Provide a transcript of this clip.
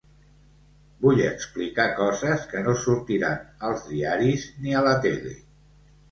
Vull explicar coses que no sortiran als diaris ni a la tele.